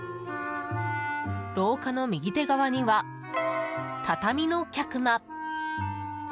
廊下の右手側には、畳の客間。